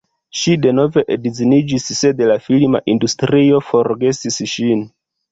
Ŝi denove edziniĝis sed la filma industrio forgesis ŝin.